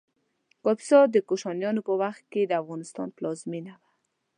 کاپیسا د کوشانیانو په وخت کې د افغانستان پلازمېنه وه